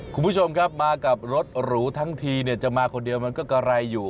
คุณผู้ชมครับมากับรถหรูทั้งทีเนี่ยจะมาคนเดียวมันก็กะไรอยู่